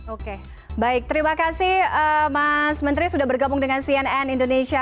oke baik terima kasih mas menteri sudah bergabung dengan cnn indonesia